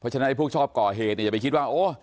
เพราะฉะนั้นพวกชอบก่อเหตุจะไปคิดว่า